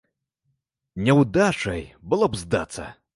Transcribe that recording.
Няўдачай было б здацца.